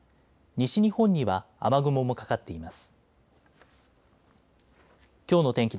西日本には雨雲もかかっています。